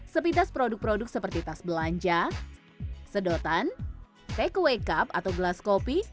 sepintas produk produk seperti tas belanja sedotan takeaway cup atau gelas kopi